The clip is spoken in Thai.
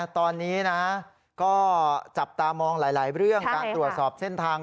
ตอนนี้นะก็จับตามองหลายเรื่องการตรวจสอบเส้นทาง